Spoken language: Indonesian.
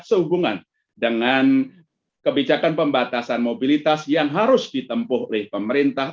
sehubungan dengan kebijakan pembatasan mobilitas yang harus ditempuh oleh pemerintah